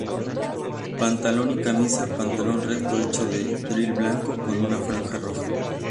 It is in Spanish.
Pantalón y camisa: Pantalón recto hecho de drill blanco, con una franja roja.